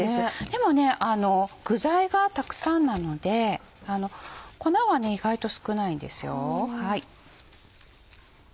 でも具材がたくさんなので粉は意外と少ないんですよ。